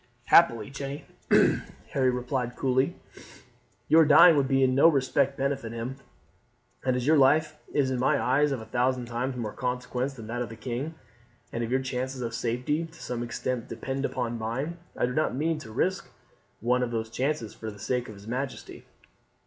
"Happily, Jeanne," Harry replied coolly, "your dying would in no respect benefit him; and as your life is in my eyes of a thousand times more consequence than that of the king, and as your chances of safety to some extent depend upon mine, I do not mean to risk one of those chances for the sake of his majesty.